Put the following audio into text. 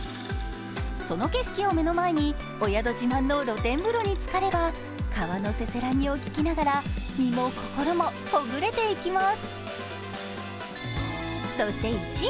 その景色を目の前にお宿自慢の露天風呂につかれば川のせせらぎを聞きながら、身も心もほぐれていきます。